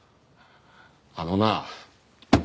あのな。